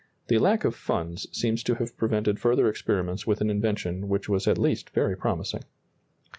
The lack of funds seems to have prevented further experiments with an invention which was at least very promising.